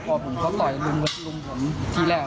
ก่อนหน้านั้นมีเรื่องอะไรกันมาก่อนหน้านั้น